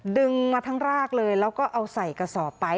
ดึงมาทั้งรากเลยแล้วก็เอาใส่กระสอบไป